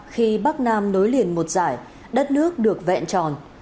khi bắc nam nối liền một giải đất nước được vẹn tròn